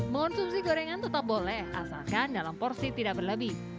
mengonsumsi gorengan tetap boleh asalkan dalam porsi tidak berlebih